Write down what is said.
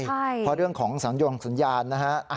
เพราะเรื่องของสัญญาณนะฮะ